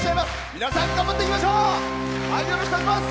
皆さん、頑張っていきましょう！